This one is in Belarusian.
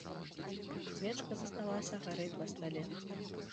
Свечка засталася гарэць на стале.